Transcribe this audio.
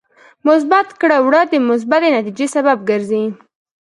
مثبت کړه وړه د مثبتې نتیجې سبب ګرځي.